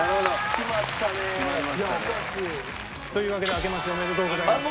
決まったね！というわけであけましておめでとうございます。